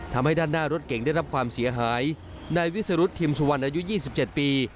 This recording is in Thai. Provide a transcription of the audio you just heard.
ทำให้ด้านหน้ารถเก่งได้รับความเสียหายนายวิสรุธทิมสุวรรณอายุ๒๗ปี